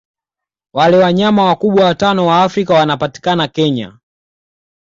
Wale wanyama wakubwa watano wa Afrika wanapatikana Kenya